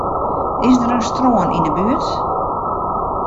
Is der in strân yn 'e buert?